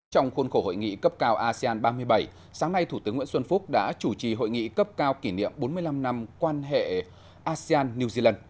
trong khuôn khổ hội nghị cấp cao asean ba mươi bảy sáng nay thủ tướng nguyễn xuân phúc đã chủ trì hội nghị cấp cao kỷ niệm bốn mươi năm năm quan hệ asean new zealand